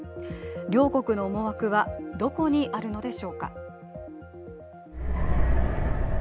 両国の思惑はどこにあるのでしょうか。